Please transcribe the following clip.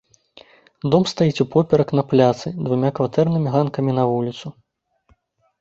Дом стаіць упоперак на пляцы, двума кватэрнымі ганкамі на вуліцу.